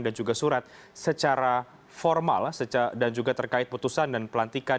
dan juga surat secara formal dan juga terkait putusan dan pelantikan